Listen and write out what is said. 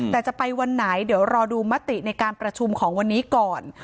แต่จะไปวันไหนเดี๋ยวรอดูมติในการประชุมของวันนี้ก่อน